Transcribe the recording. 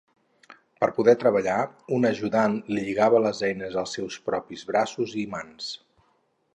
Per poder treballar, un ajudant li lligava les eines als seus propis braços i mans.